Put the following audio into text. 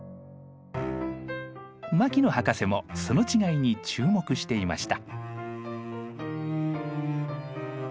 牧野博士もその違いに注目していました。